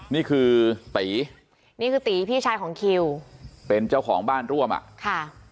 นี่คือตีนี่คือตีพี่ชายของคิวเป็นเจ้าของบ้านร่วมอ่ะค่ะ